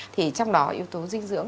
thì trong đó yếu tố dinh dưỡng